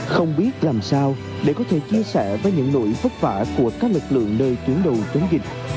không biết làm sao để có thể chia sẻ với những nỗi phất vả của các lực lượng nơi chuyến đấu chống dịch